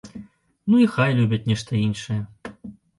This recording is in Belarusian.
Ну, і хай любяць нешта іншае.